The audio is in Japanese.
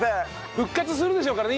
復活するでしょうからね